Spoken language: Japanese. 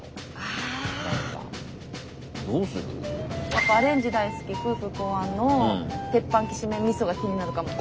やっぱ「アレンジ大好き夫婦考案」の「鉄板×きしめん×みそ」が気になるかも。